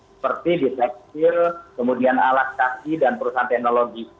seperti di fleksil kemudian alat kaki dan perusahaan teknologi